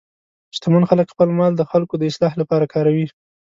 شتمن خلک خپل مال د خلکو د اصلاح لپاره کاروي.